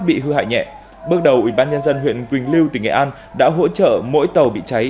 bị hư hại nhẹ bước đầu ubnd huyện quỳnh lưu tỉnh nghệ an đã hỗ trợ mỗi tàu bị cháy